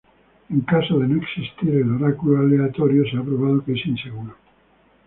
En caso de no existir el oráculo aleatorio se ha probado que es inseguro.